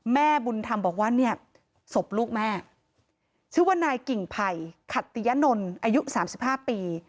แม่บุญธรรมบอกว่าเนี่ยศพลูกแม่ชื่อว่านายกิ่งไผ่ขัตติยะนนอายุ๓๕ปี